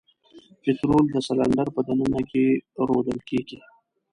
پطرول د سلنډر په د ننه کې رودل کیږي.